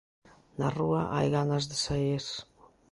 Na rúa hai ganas de saír...